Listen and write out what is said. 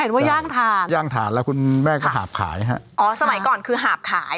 ว่าย่างถ่านย่างถ่านแล้วคุณแม่ก็หาบขายฮะอ๋อสมัยก่อนคือหาบขาย